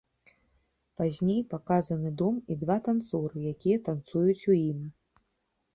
Пазней паказаны дом і два танцоры, якія танцуюць у ім.